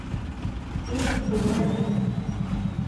Их күңел!